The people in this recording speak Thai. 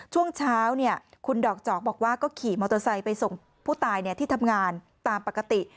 ช่วงเช้าคุณดอกจอกบอกว่าก็ขี่มอเตอร์ไซค์ไปส่งผู้ตายที่ทำงานตามปกติ